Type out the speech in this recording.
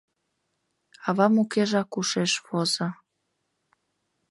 Авам укежак ушеш возо...